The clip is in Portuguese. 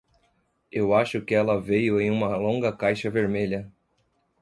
Eu acho que ela veio em uma longa caixa vermelha.